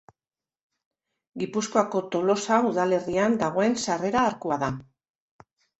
Gipuzkoako Tolosa udalerrian dagoen sarrera-arkua da.